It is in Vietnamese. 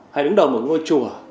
hay đứng đầu một ngôi chùa